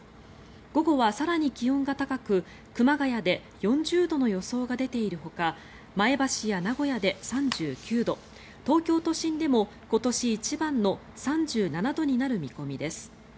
午後は更に気温が高く熊谷で４０度の予想が出ているほか前橋や名古屋で３９度東京都心でも今年一番の３７度になる見込みです。